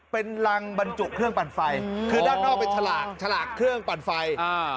เป็นรังบรรจุเครื่องปั่นไฟคือด้านนอกเป็นฉลากฉลากเครื่องปั่นไฟอ่า